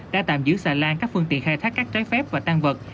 đã tạm giữ xà lan các phương tiện khai thác các trái phép và tan vật